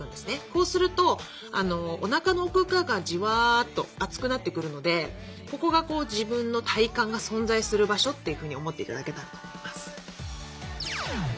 こうするとおなかの奥側からジワーッと熱くなってくるのでここが自分の体幹が存在する場所というふうに思って頂けたらと思います。